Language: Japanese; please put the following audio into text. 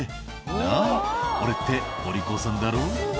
「なっ俺ってお利口さんだろ」